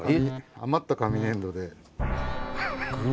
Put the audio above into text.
余った紙粘土で。